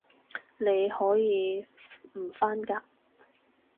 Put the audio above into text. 你可以唔返㗎